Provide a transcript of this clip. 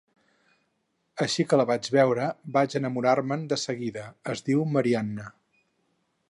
Així que la vaig veure, vaig enamorar-me'n de seguida. Es diu Marianna.